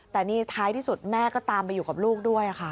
แต่นี่ท้ายที่สุดแม่ก็ตามไปอยู่กับลูกด้วยค่ะ